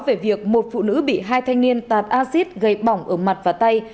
về việc một phụ nữ bị hai thanh niên tạt acid gây bỏng ở mặt và tay